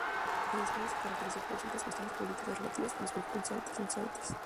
El desfile se caracterizó por ciertas cuestiones políticas relativas a los concursantes.